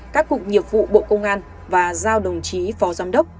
các cục nghiệp vụ bộ công an và giao đồng chí phó giám đốc